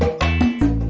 ya ini lagi